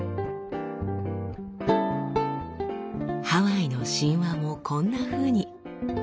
ハワイの神話もこんなふうに。